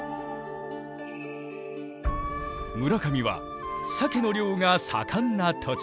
村上は鮭の漁が盛んな土地。